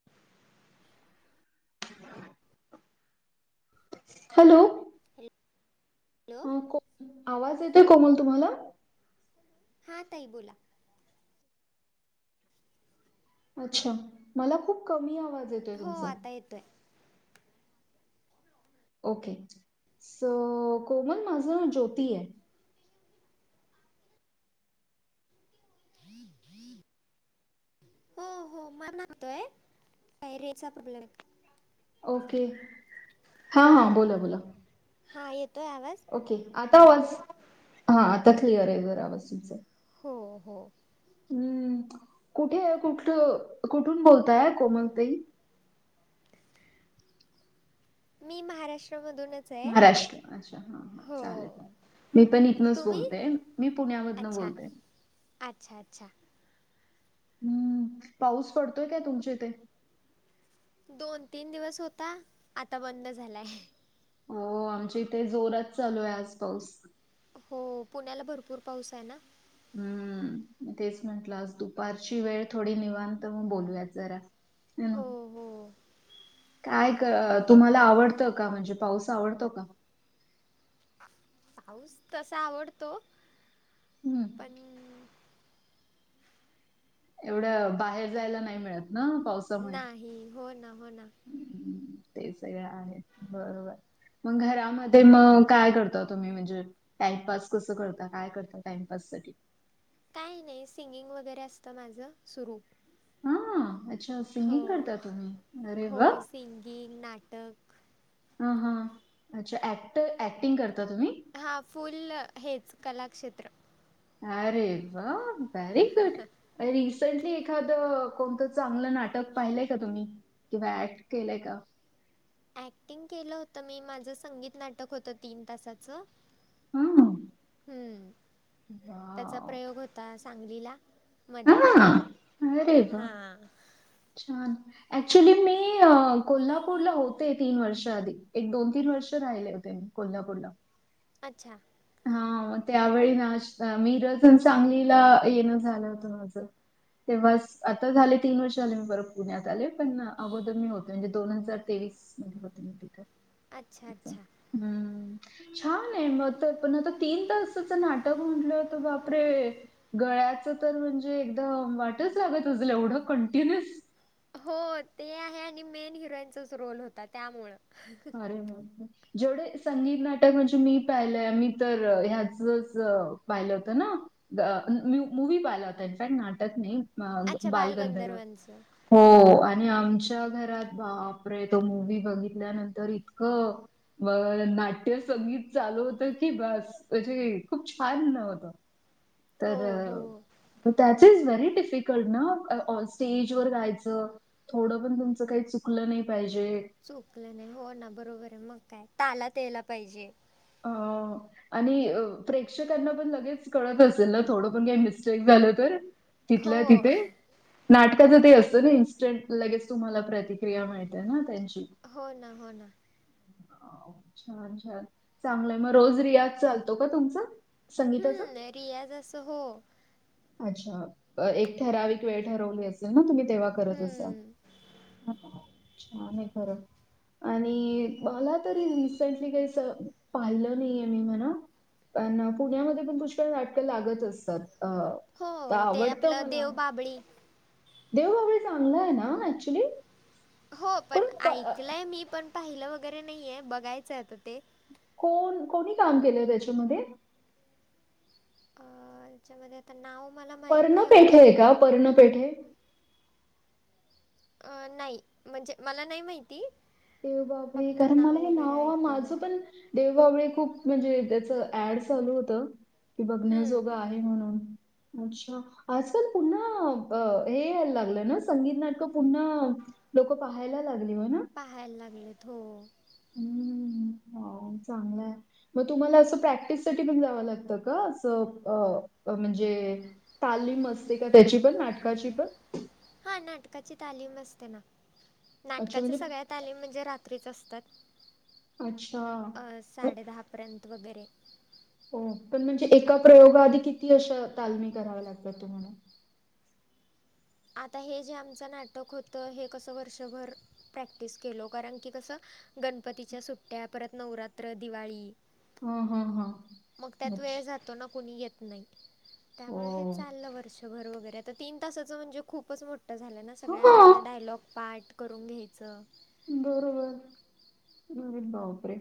[inaudible] Hello! [inaudible] Hello हा आवाज येतोय कोमल तुम्हाला? हां ताई बोला. अच्छा मला खूप कमी आवाज येत- हो आता येतोय. ओके, सो कोमल माझं ज्योती आहे. [inaudible] हो हो मला मातोय काय रेंजचा प्रॉब्लेम आहे. ओके हां हां बोला बोला. हा येतोय आवाज? ओके आता आवाज, हा आता क्लिअर आहे आवाज तुमचा. हो हो हम्म, कुठे कुठ कुठून बोलताय कोमल ताई? मी महाराष्ट्रामधूनच- आहे महाराष्ट्र. अच्छा, हा हा हो चालेल, चालेल मी पण इथनंच तुम्ही बोलते मी पुण्यामधनं अच्छा बोलते. अच्छा अच्छा! हम्म पाऊस पडतोय काय तुमच्या इथे? दोन तीन दिवस होता आता बंद झालाय. हो आमच्या इथे जोरात चालू आहे आज पाऊस. हो पुण्याला भरपूर पाऊस आहे ना. हम्म तेच म्हंटलं आज दुपारची वेळ थोडी निवांत मग बोलूयात जरा. हम् हो हो काय क तुम्हाला आवडतं का म्हणजे पाऊस आवडतो का? पाऊस तसा आवडतो हम्म, पण. एवढं बाहेर जायला नाही मिळत ना पाऊस. नाही हो ना हो ना. ते सगळं आहे बरोबर, मग घरामध्ये मग काय करता. तुम्ही म्हणजे टाइमपास कसं करता काय करता टाइमपास साठी? काय नाही सिंगिंग वगैरे असतं माझं सुरू. हा, अच्छा हो सिंगिंग करता तुम्ही. अरे हो वा. सिंगिंग, नाटक ह हा अच्छा ऍक्ट ऍक्टिंग करता तुम्ही? हा फुल्ल हेच कलाक्षेत्र, अरे वा! व्हेरी गुड रिसंटली एखाद कोणतं. चांगलं नाटक पाहिलंय का तुम्ही किंवा ऍक्ट केलंय का? ॲक्टिंग केलं होतं मी माझं संगीत नाटक होतं तीन तासाचं. हं. हम्म त्याचा वॉव! प्रयोग होता सांगलीला. मध्ये ह अरे व्वा! हां. छान ऍक्चुली मी. मी कोल्हापूरला होते. तीन वर्ष आधी एक दोन-तीन वर्ष राहिले होते मी कोल्हापूरला. अच्छा. हा त्यावेळी नाच मीरज आणि सांगलीला येणं जाणं होतं माझं. तेव्हाच आता झाले तीन वर्ष आले मी परत पुण्यात आले पण अगोदर मी होते म्हणजे दोन हजार तेवी स मध्ये होते मी तिथं. अच्छा अच्छा. हम्म छान आहे म पण आता तीन तासाचं नाटक म्हटलंत बापरे! गळ्याचं तर म्हणजे एकदम वाटच लागत असेल एवढं कंटिन्युअस.. हो ते आहे आणि मेन हिरोईनचाच रोल होता त्यामुळं. [unintelligible] जेवढे संगीत, नाटक म्हणजे मी पाहिलंय मी तर ह्याचंच पाहिलं होत ना. अ मी मूव्ही पाहिला होता इन्फॅक्ट नाटक नाही. मग अच्छा बालगंधर्व बालगंधर्वांचं हो हां. आणि आम च्या घरात बापरे! तो मूव्ही बघितल्यानंतर इतकं मग नाट्यसंगीत चालू होतं की बास म्हणजे खूप छानं होत. हो, तर हो. दॅट इज व्हेरी डिफिकल्ट ना स्टेजवर जायचं. थोडं पण तुमचं काही चुकलं नाही पाहिजे. चुकलं नाही हो ना बरोबर हा मग काय तालात याला पाहिजे. ह. आणि प्रेक्षकांना पण लगेच कळत असेल ना थोडं पण काही मिस्टेक झालं तर. हो, तिथंल्या तिथे. नाटकाचं ते असतं ना इन्स्टंट लगेच तुम्हाला प्रतिक्रिया मिळते ना त्यांची. हो ना, हो ना. छान छान चांगलंय, मग रोज रियाज चालतो का तुमचा? संगीताचं. हम्म रियाज अस हो. अच्छा. एक ठराविक वेळ ठरवली असेल ना तुम्ही तेव्हा करत असाल. हम्म. छान आहे खरं. आणि मला तरी रिसेंटली काही अस पाहिलं नाहीये मी म्हणा. पण पुण्यामध्ये पण पुष्कळ नाटक लागत असतात. अ. हो. तर ते आपलं देव बाबळी. देव बाबळी चांगलं हे ना ऍक्च्युली. हो. पण ऐकलंय मी पण पाहिलं वगैरे नाहीय बघायचं आहे आता ते. कोण कोणी काम केलंय त्याच्यामध्ये? अ त्याच्यामध्ये आता नाव मला माहत नाही एवढं. पर्णपेठे. अ नाही. म्हणजे मला नाही माहिती. देव बाबळी फक्त कारण मला हे वगैरे नाव ऐकून आहे. माझं पण देव बावळी खूप म्हणजे त्याच ऍड चालू होत की हम्म. बघण्याजोगं आहे म्हणून. अच्छा. आजकाल पुन्हा हे यायला लागलं ना संगीत नाटक. पुन्हा लोक पाहायला लागली हो ना. पाहाय लागलेत हो. ह् चांगलाय. मग तुम्हाला असं प्रॅक्टिससाठी पण जावं लागतं का? स अ अ म्हणजे तालीम असते का त्याची पण नाटकाची पण? हा. नाटकाची तालीम असते ना. अच्छा नाटकाच्या म्हणजे सगळ्यात - - तालीम म्हणजे रात्रीच असतात. अच्छा. साडे दहापर्यंत वगैरे. हो. पण म्हणजे एका प्रयोगा आधी किती अशा तालमी कराव्या लागतात तुम्हाला? आता हे जे आमचं नाटक होतं हे कसं वर्षभर प्रॅक्टिस केलो. कारण की कसं गणपतीच्या सुट्ट्या परत नवरात्र, दिवाळी. हां, हां, हां. मग त्यात वेळ अच्छा. जातो ना. कुणी येत नाही. त्यामुळे हे ओ. चाललं वर्षभर वगैरे तर तीन ताचं म्हणजे खूपच मोठ - - झालं ना. हां, सगळ्यांकडनं डायलॉग पार्ट करून घ्यायचं. बरोबर. अरे बापरे.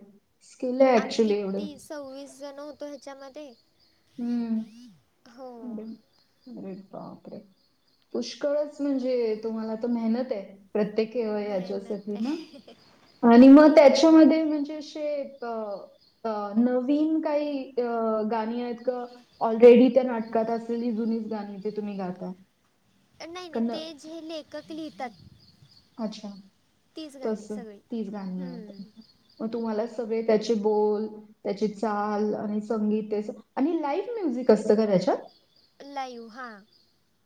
स्किल आहे आम्ही ॲक्चुअली एवढं. किती सव्वीस जण होतो ह्याच्यामध्ये. हम्म हो अरे -अरे बापरे. पुष्कळच म्हणजे तुम्हाला तर मेहनत आहे. प्रत्येक मेहनत याच्यासाठी ना आहे आणि मग ते आहे त्याच्यामध्ये म्हणजे. न काही गाणी. आहेत ऑलरेडी त्या नाटकात असलेली जुनीच गाणी ते तुम्ही गातता. नाही नाही ते जे लेखक लिहितात. अच्छा तीच तस गाणी सगळी तीच गाणी आहेत. मग तुम्हाला सगळे त्याचे बोल. त्याची चाल आणि संगीत आणि लाईव्ह म्युझिक असतं का त्याच्यात. लायवहा.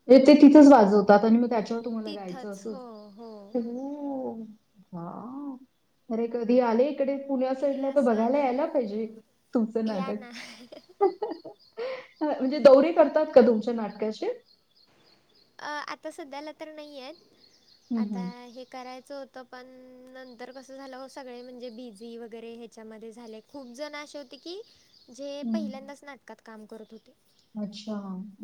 ते तिथंच वाजवतात आणि मग त्याच्यावर तुम्हाला गायचं तिथंच असंच हो हो हो. वाव्व... अरे कधी आले? कडे पुण्या हे साईडला त असं बघायला यायला पाहिजे तुमचं या ना नाटक अं म्हणजे दौरी करतात का तुमचे नाटकाचे? अं आता सध्याला तर नाही येत, हं, आता हं. हे करायचं होतं पण नंतर कसं झालं हो सगळे म्हणजे बी जी वगैरे ह्याच्यामध्ये झाले खूप जण असे होते की. जे हं. पहिल्यांदाच नाटकात काम करत होते. अच्छा.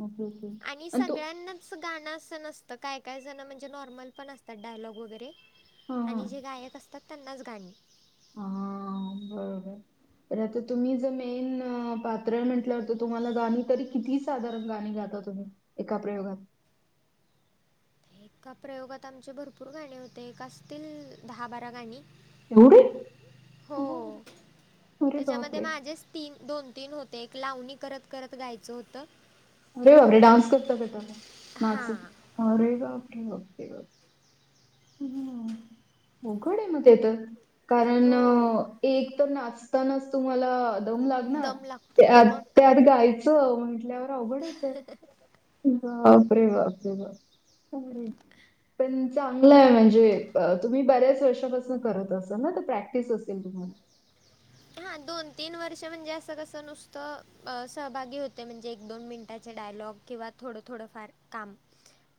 Okay, okay. आणि तो सगळ्यांना. गाणं असं नसतं काय काय जण म्हणजे नॉर्मल पण असतात डायलॉग वगैरे. हां, हां. आणि जे गायक असतात त्यांनाच गाणे. हा बरोबर अरे आता तुम्ही जर मेन अ पात्र म्हटल्यावर तर तुम्हाला गाण तरी किती साधारण गाणी गाता तुम्ही? एका प्रयोगात. एका प्रयोगात आमचे भरपूर गाणे होते एक असतील दहा बारा गाणी. एवढी? हो अरे त्याच्यामध्ये बापरे! माझेच तीन, दोन तीन होते एक लावणी करत - करत गायचं होतं. अरे बाप रे डान्स करता - करता हां नाचत अरे बापरे - बापरे बाप हम्म अवघडे म ते तर कारण अ हो एक तर नाचतानाच तुम्हाला दम लागणार, दम लागतो त्यात मग काय त्याआधी गायचं म्हंटल्यावर अवघडचे. बापरे-बापरे-बाप [unintelligible] पण चा चांगलंय म्हणजे अ तुम्ही बऱ्याच वर्षापासून करत असाल ना? त प्रॅक्टिस असेल तुम्हाला. हां दोन तीन वर्ष म्हणजे असं कसं नुसतं अ सहभागी होते म्हणजे एक दोन मिनटाचे डायलॉग किंवा थोडं - थोडंफार काम.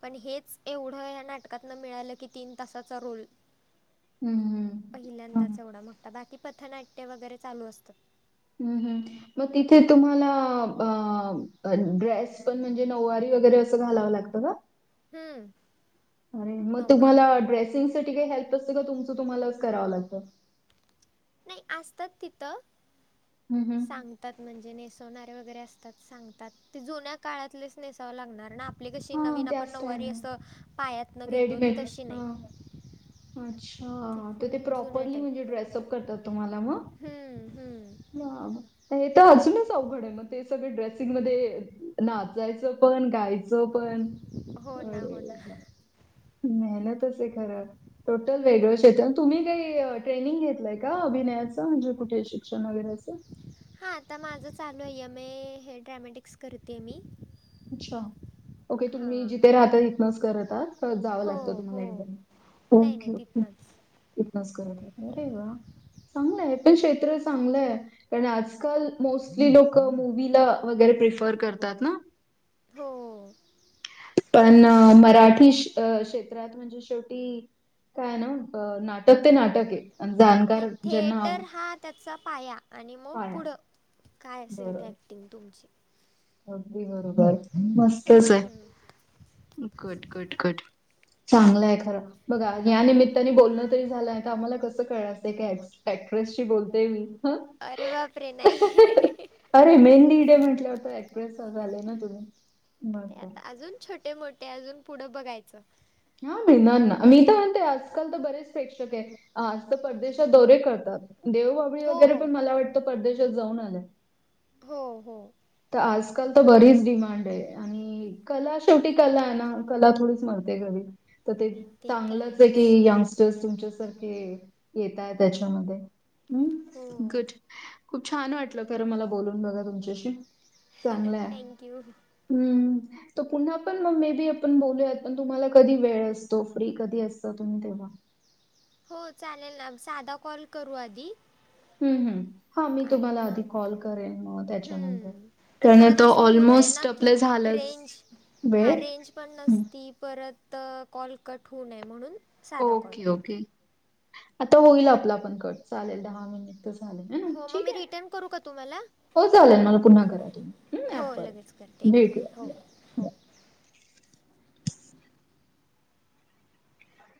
पण हेच एवढं या नाटकातन मिळालं की तीन तासाचा रोल हम्म - हम्म. पहिल्यांदाच एवढा मोठा बाकी पथनाट्य वगैरे चालू असतं. हम्म - हम्म. मग तिथे तुम्हाला प आ अ ड्रेस पण म्हणजे नऊवारी वगैरे असं घालावं लागतं का? हम्म. अरे मग नऊवारी तुम्हाला ड्रेसिंगसाठी काही हेल्प असतं का तुमचं तुम्हालाच करावं लागतं? नाही असतात तिथं, हम्म, हम्म. सांग तात म्हणजे नेसवणारे वगैरे असतात सांगतात ते जुन्या काळातलेच नेसावं लागणार ना! पली कशी हां, नवीन त्या आपण नऊवारी स्टाईलने असं पायात न घेतो ते रेडीमेड. तशी हां, नाही. ती अच्छा तर ते फुल जुन्या प्रॉपरली टाईप म्हणजे ड्रेसअप करता तुम्हाला म? हम्म- हम्म या हे तर अजूनच अवघड आहे म ते सगळे ड्रेसिंग मध्ये नाचायचं पण गायचं पण हो ना, अरे हो ना. [unintelligible] मेहनतच आहे खरं. टोटल वेगळं क्षेत्र, तुम्ही काही अ ट्रेनिंग घेतलंय का अभिनयाचं म्हणजे कुठे शिक्षण वगैरे याच? हा आता माझं चालू आहे यम ए हे ड्रॅमॅटिक्स करतेय मी. अच्छा ओके तुम्ही हां. जिथे राहता तिथनच करता का जावं हो, लागतं हो. तुम्हाला [unintelligible] नाही- नाही तिथनंच. तिथनच करतात अरे वा चांगलंय हे पण क्षेत्र चांगलंय पण आजकाल मोस्टली लोकं मूवीला वगैरे प्रेफर करतात ना? हो. पण अ मराठीश अ क्षेत्रात म्हणजे शेवटी काय न अ नाट तर ते नाटक ए अन जाणकार नाही ज्यांना आव थिएटर हा त्याचा पाया आणि मग काय पुढं काय असेल ते बरं ॲक्टिंग तुमची. अगदी बरोबर मस्तच हे हम्म. गुड-गुड-गुड. चांगलं आहे खरं बघा या निमित्ताने बोलणं तरी झालंय तर आम्हाला कस सं काय असतय काय ए ऍक्ट्रेस शी बोलते मी. हं? अरे बापरे नाही अरे मेन लीड आहे म्हटलं होत एक्टरेस झालेय ना तुम्ही मग ते काय. आता अजून छोटे मोठे अजून पुढं बघायचं. हा [unintelligible] ना मी तर म्हणते आजकाल तर बरेच प्रेक्षक हे आज तर परदेशात दौरे करतात, देव बाभळी हो वगैरे पण मला वाटतं परदेशात जाऊन आल्या. हो - हो. त आजकाल तर बरीच डिमांड आहे आणि हम्म कला शेवटी कलाए ना? कला थोडीच मरते कधी! तर ते नाही तर चांगलंच आहे की आहेच यंग जस्ट तुच्यासारखे येताहेत त्याच्यामध्ये हो. गुड खूप छान वाटलं खरं मला बोलून बघा तुमच्याशी चांगलंय थँक्यू हम्म त पुन्हा पण मग मे बी आपण बोलूयात पण तुम्हाला कधी वेळ असतो फ्री कधी असता तुम्ही तेव्हा हो चालेल ना साधा कॉल करू आधी हम् हम् हा मी आणि तुम्हाला आधी मग कॉल करेन मग त्याच्यानंतर हम्म नाही कारण परत तो असं होऊ नये ना ऑलमोस्ट की आपलं झालंच रेंज हां वेळ. रेंज पण हं. नसती परत त कॉल कट होऊ नये म्हणून साधा कॉल. ओके ओके आता होईल आपला पण कट चालेल दहा मिनिट तर झाले ना हो मग ठीक मी आहे. रिटर्न करू का तुम्हाला हो चालेल मला पुन्हा घरा तुम्ही हो ऍप वर लगेच करते एक मिनिट भेटूया हो या, बाय. हो